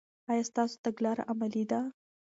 آیا ستاسو تګلاره عملي ده؟